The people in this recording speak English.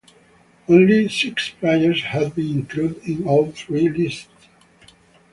Only six players have been included in all three lists.